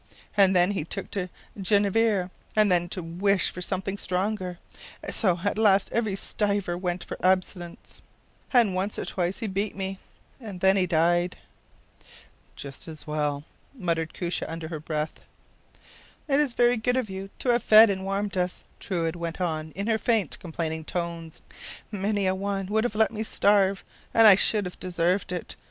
And then he took to genever, and then to wish for something stronger; so at last every stiver went for absinthe, and once or twice he beat me, and then he died.” “Just as well,” muttered Koosje, under her breath. “It is very good of you to have fed and warmed us,” Truide went on, in her faint, complaining tones. “Many a one would have let me starve, and I should have deserved it.